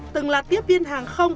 từng là tiếp viên hàng không